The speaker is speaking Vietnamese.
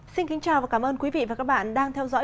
xin kính chào và cảm ơn quý vị và các bạn đang theo dõi